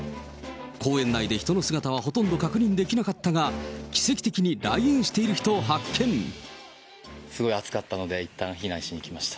公園内で人の姿はほとんど確認できなかったが、すごい暑かったので、いったん避難しにきました。